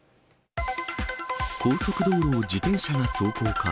高速道路を自転車が走行か。